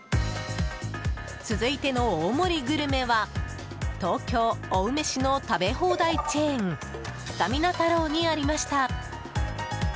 続いての大盛りグルメは東京・青梅市の食べ放題チェーンすたみな太郎にありました。